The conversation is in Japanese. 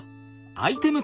アイテム